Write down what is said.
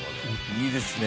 いいですね。